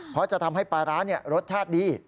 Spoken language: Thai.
เพราะจะทำให้ปลาร้ารสชาติดี